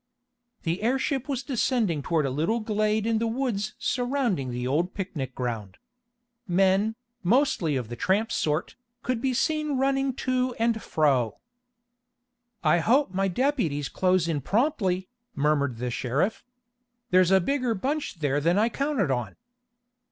The airship was descending toward a little glade in the woods surrounding the old picnic ground. Men, mostly of the tramp sort, could be seen running to and fro. "I hope my deputies close in promptly," murmured the sheriff. "There's a bigger bunch there than I counted on."